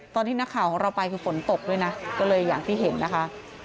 ตอนที่นักข่าวของเราไปคือฝนตกด้วยนะก็เลยอย่างที่เห็นนะคะ